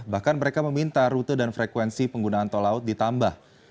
bahkan mereka meminta rute dan frekuensi penggunaan tol laut ditambah